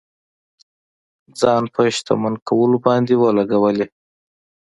ځان په شتمن کولو باندې ولګولې.